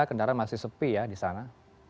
kendaraan masih sepi ya di sana